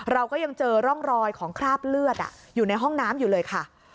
เราก็ยังเจอร่องรอยของคราบเลือดอยู่ในห้องน้ำอยู่เลยค่ะ